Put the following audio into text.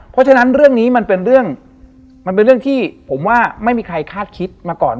เพราะฉะนั้นเรื่องนี้มันเป็นเรื่องมันเป็นเรื่องที่ผมว่าไม่มีใครคาดคิดมาก่อน